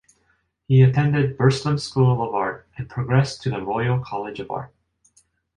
He attended Burslem School of Art and progressed to the Royal College of Art.